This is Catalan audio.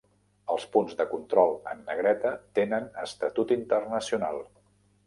Els punts de control en negreta tenen estatut internacional.